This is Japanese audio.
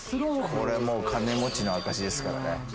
これ、もう金持ちの証ですからね。